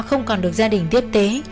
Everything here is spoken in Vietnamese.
do không còn được gia đình tiếp tế